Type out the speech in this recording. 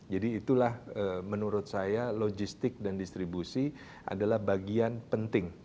jadi itulah menurut saya logistik dan distribusi adalah bagian penting